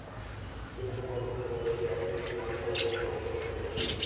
তিনি খুব অল্প বয়সেই আইন থেকে স্নাতক হন এবং সামাজিক কাজ শুরু করেন।